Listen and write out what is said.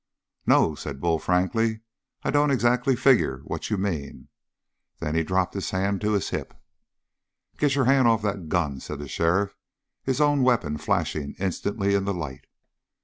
"No," said Bull frankly, "I don't exactly figure what you mean." Then he dropped his hand to his hip. "Git your hand off that gun!" said the sheriff, his own weapon flashing instantly in the light.